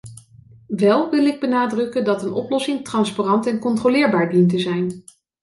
Wel wil ik benadrukken dat een oplossing transparant en controleerbaar dient te zijn.